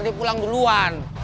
dia pulang duluan